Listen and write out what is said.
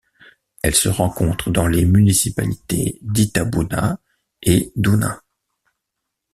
Elle se rencontre dans les municipalités d'Itabuna et d'Una.